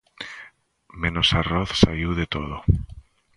Menos arroz saíu de todo.